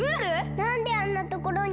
なんであんなところに。